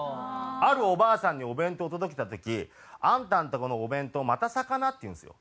あるおばあさんにお弁当を届けた時「あんたのとこのお弁当また魚？」って言うんですよ。